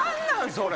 それ。